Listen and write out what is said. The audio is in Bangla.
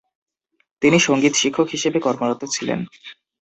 তিনি সঙ্গীত শিক্ষক হিসেবে কর্মরত ছিলেন।